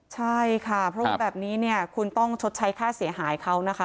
ใช่ค่ะเพราะว่าแบบนี้เนี่ยคุณต้องชดใช้ค่าเสียหายเขานะคะ